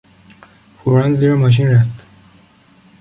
پوران زیر ماشین رفت.